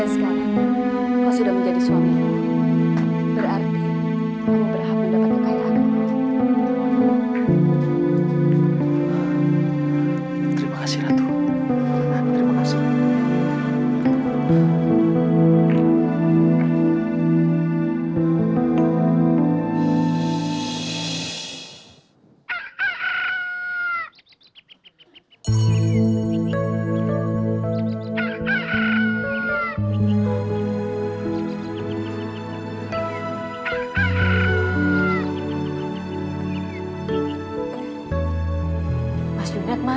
aku tuh derita di pengantin datuk mau bayar utang kasih dia